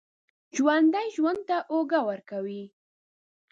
ژوندي ژوند ته اوږه ورکوي